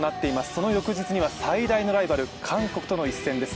その翌日には最大のライバル・韓国との一戦です。